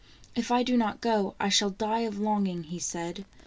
" If I do not go, I shall die of longing," he said.